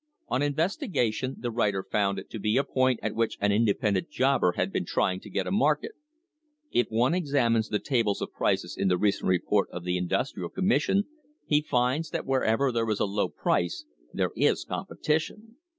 On investigation the writer found it to be a point at which an independent jobber had been trying to get a market. If one examines the tables of prices in the recent report of the Industrial Commission, he finds that wherever there is a low price there is competition.